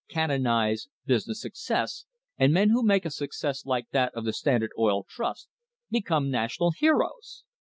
Canonise "business success," and men who make a success like that of the Standard Oil Trust become national heroes!